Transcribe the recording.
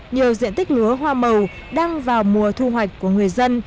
nhiều diện tích lúa hoa màu đang vào mùa thu hoạch của người dân